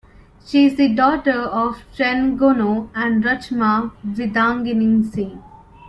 She is the daughter of Trenggono and Rachma Widadiningsih.